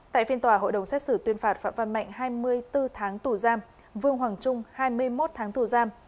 tại phiên tòa hội đồng xét xử tuyên phạt phạm văn mạnh hai mươi bốn tháng tù giam vương hoàng trung hai mươi một tháng tù giam